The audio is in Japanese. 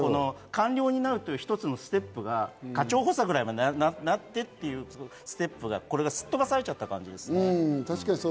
官僚になるという一つのステップが課長補佐までなってというステップがすっ飛ばされた感じですよね。